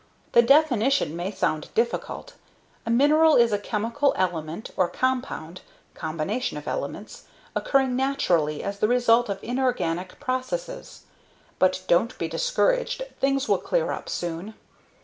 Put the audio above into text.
The definition may sound difficult a mineral is a chemical element or compound (combination of elements) occurring naturally as the result of inorganic processes. But don't be discouraged. Things will clear up soon.